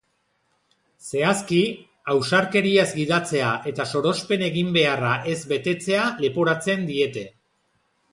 Zehazki, ausarkeriaz gidatzea eta sorospen-eginbeharra ez betetzea leporatzen diete.